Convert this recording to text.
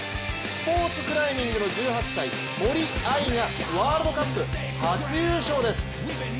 スポーツクライミングの１８歳、森秋彩がワールドカップ初優勝です。